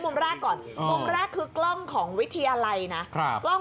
มาวิ่งกลับ